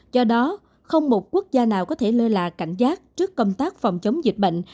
do đó không một quốc gia nào có thể lơ là cảnh giác trước công tác phòng chống dịch bệnh